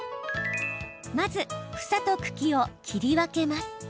まず、房と茎を切り分けます。